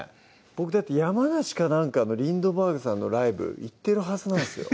僕だって山梨か何かのＬＩＮＤＢＥＲＧさんのライブ行ってるはずなんですよ